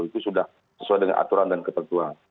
itu sudah sesuai dengan aturan dan ketentuan